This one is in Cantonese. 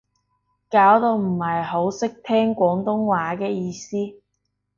搞到唔係好識聽廣東話嘅意思